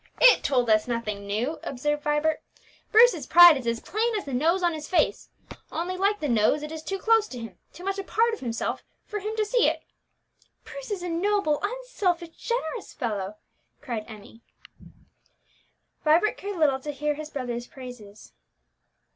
"It told us nothing new," observed Vibert. "Bruce's pride is as plain as the nose on his face; only, like the nose, it is too close to him too much a part of himself, for him to see it." "Bruce is a noble, unselfish, generous fellow!" cried Emmie. Vibert cared little to hear his brother's praises.